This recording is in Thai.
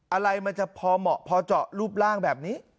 อะไรมันจะพอเหมาะพอเจาะรูปร่างแบบนี้